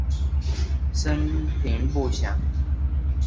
生平不详。